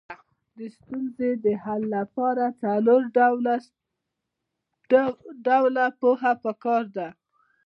د ستونزې د حل لپاره څلور ډوله پوهه پکار ده.